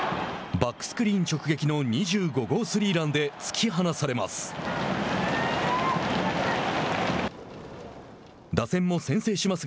バックスクリーン直撃の２５号スリーランで突き放されます。